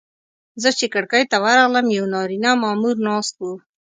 زه چې کړکۍ ته ورغلم یو نارینه مامور ناست و.